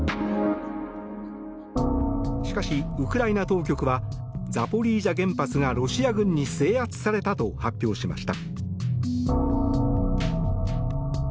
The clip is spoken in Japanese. しかし、ウクライナ当局はザポリージャ原発がロシア軍に制圧されたと発表しました。